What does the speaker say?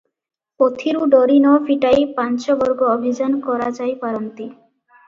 ପୋଥିରୁ ଡୋରି ନ ଫିଟାଇ ପାଞ୍ଚ ବର୍ଗ ଅଭିଯାନ କରାଯାଇପାରନ୍ତି ।